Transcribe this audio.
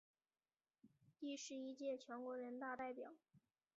第十一届全国人大代表。